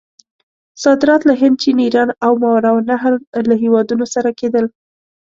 صادرات له هند، چین، ایران او ماورأ النهر له هیوادونو سره کېدل.